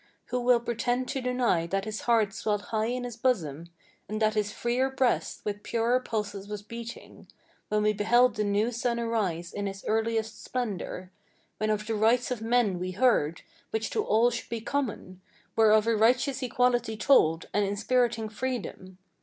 Who will pretend to deny that his heart swelled high in his bosom, And that his freer breast with purer pulses was beating; When we beheld the new sun arise in his earliest splendor, When of the rights of men we heard, which to all should be common, Were of a righteous equality told, and inspiriting freedom?